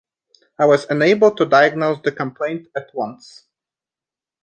I was enabled to diagnose the complaint at once.